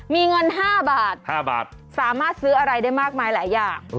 มีเงิน๕บาท๕บาทสามารถซื้ออะไรได้มากมายหลายอย่าง